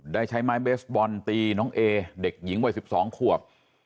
ได้ใช้ไม้เบสบอลตีน้องเอเด็กหญิงวัย๑๒ขวบ